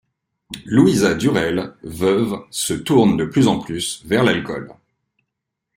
Louisa Durrell, veuve, se tourne de plus en plus vers l'alcool.